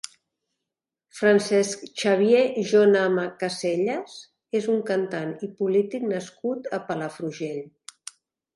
Francesc Xavier Jonama Casellas és un cantant i polític nascut a Palafrugell.